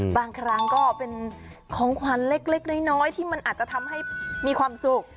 บางครั้งก็เป็นของขวัญเล็กน้อยที่มันอาจจะทำให้มีความสุข